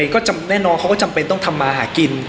ก็แน่นอนเขาก็จำเป็นต้องทำมาหากิน